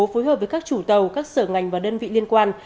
phối hợp với các chủ tàu các sở ngành và đơn vị liên quan